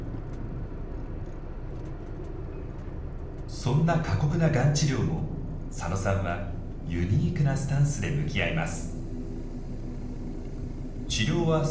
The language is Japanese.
そんな過酷ながん治療も佐野さんはユニークなスタンスで向き合います。